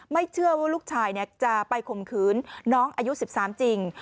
ไม่เชื่อว่าลูกชายจะไปข่มขืนน้องอายุ๑๓จริง